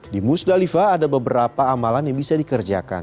di musdalifah ada beberapa amalan yang bisa dikerjakan